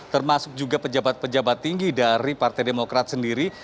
termasuk juga pejabat pejabat tinggi dari partai demokrat sendiri